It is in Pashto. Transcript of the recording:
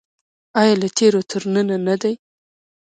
آیا له تیرو تر ننه نه دی؟